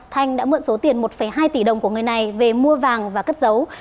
thanh đã mượn số tiền một hai tỷ đồng của người này về mua vàng và cất giấu